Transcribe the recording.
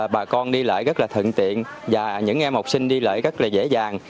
bà con đi lại rất là thận tiện và những em học sinh đi lại rất là dễ dàng